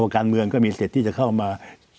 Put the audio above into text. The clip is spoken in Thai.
การเมืองก็มีสิทธิ์ที่จะเข้ามา